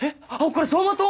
これ走馬灯？